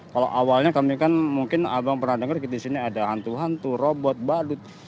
kalau awalnya kami kan mungkin abang pernah dengar di sini ada hantu hantu robot balut